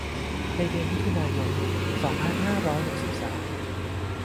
ในเดือนมิถุนายน สองพันห้าร้อยหกสิบสาม